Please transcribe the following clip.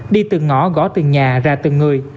đi từ ngõ gõ từ nhà ra từ người